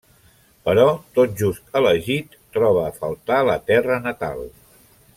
Però tot just elegit troba a faltar la terra natal.